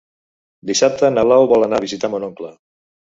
Dissabte na Blau vol anar a visitar mon oncle.